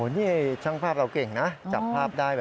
นี่ช่างภาพเราเก่งนะจับภาพได้